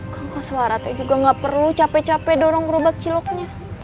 kang kos warah teh juga gak perlu capek capek dorong rubak ciloknya